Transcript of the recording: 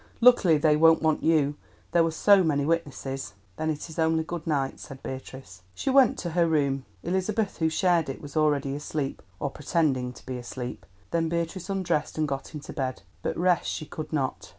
Luckily they won't want you; there were so many witnesses." "Then it is only good night," said Beatrice. She went to her room. Elizabeth, who shared it, was already asleep, or pretending to be asleep. Then Beatrice undressed and got into bed, but rest she could not.